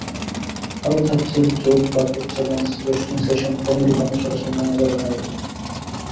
আরও থাকছে joke bucket challenge, roasting session, comedy কর্মশালাসহ নানা ধরনের আয়োজন।